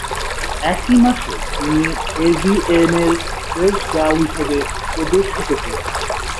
একই মাসে, তিনি "এভিএন" -র "ফ্রেশ" গার্ল হিসাবে প্রদর্শিত হয়েছিলেন।